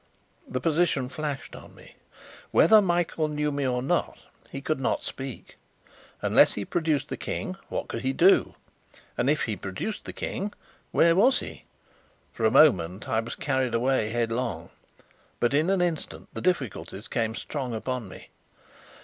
The position flashed on me. Whether Michael knew me or not, he could not speak. Unless he produced the King, what could he do? And if he produced the King, where was he? For a moment I was carried away headlong; but in an instant the difficulties came strong upon me.